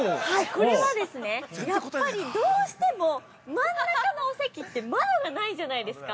これはですね、やっぱりどうしても真ん中のお席って窓がないじゃないですか。